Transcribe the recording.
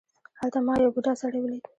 هلته ما یو بوډا سړی ولید.